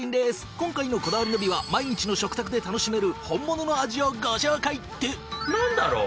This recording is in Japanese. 今回の『こだわりナビ』は毎日の食卓で楽しめる本物の味をご紹介！ってなんだろう？